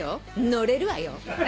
乗れるわよ。